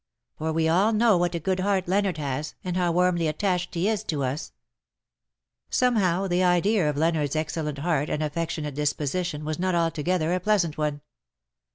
For we all know what a good heart Leonard has^ and how warmly attached he is to usJ' Somehow the idea of Leonardos excellent heart and affectionate disposition was not altogether a pleasant one.